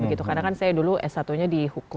karena kan saya dulu s satu nya di hukum